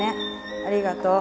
ありがとう。